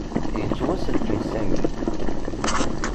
Yettwasselkem Sami.